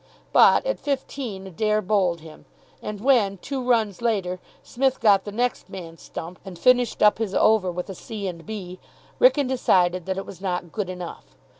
But, at fifteen, Adair bowled him. And when, two runs later, Psmith got the next man stumped, and finished up his over with a c and b, Wrykyn decided that it was not good enough.